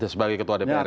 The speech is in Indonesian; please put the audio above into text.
sebagai ketua dpr